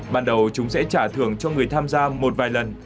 ban đầu chúng sẽ trả thưởng cho người tham gia một vài lần